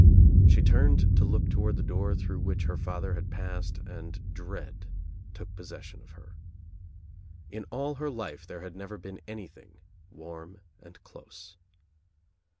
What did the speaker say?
She turned to look toward e door through which her father had passed and ead took possession of her. In all her life there id never been anything warm and close.